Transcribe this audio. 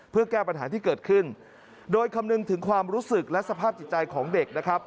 เพื่อแก้ปัญหาที่เกิดขึ้นโดยคำนึงถึงความรู้สึกและสภาพจิตใจของเด็กนะครับ